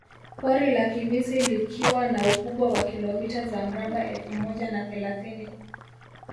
Pori la Kimisi likiwa na ukubwa wa kilomita za mraba elfu moja na thelathini